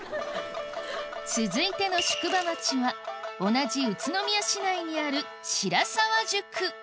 続いての宿場町は同じ宇都宮市内にある白沢宿